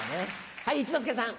はい一之輔さん。